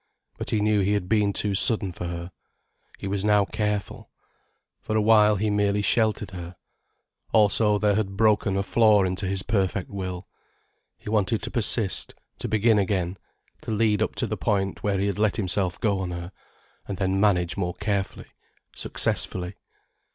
But he knew he had been too sudden for her. He was now careful. For a while he merely sheltered her. Also there had broken a flaw into his perfect will. He wanted to persist, to begin again, to lead up to the point where he had let himself go on her, and then manage more carefully, successfully.